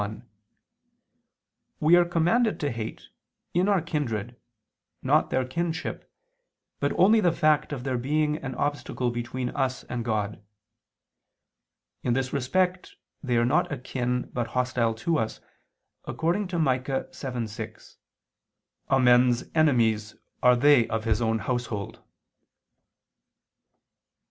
1: We are commanded to hate, in our kindred, not their kinship, but only the fact of their being an obstacle between us and God. In this respect they are not akin but hostile to us, according to Micah 7:6: "A men's enemies are they of his own household."